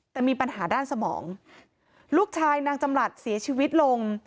แต่มีปัญหาด้านสมองลูกชายนางจำหลัดเสียชีวิตลง